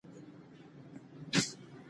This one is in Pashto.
لکه خُم ته د رنګرېز چي وي لوېدلی